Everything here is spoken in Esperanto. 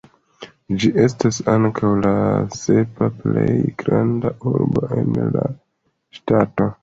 Ĝi estas ankaŭ la sepa plej granda urbo en la ŝtato.